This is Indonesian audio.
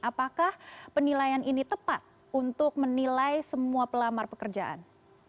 apakah penilaian ini tepat untuk menilai semua pelamar pekerjaan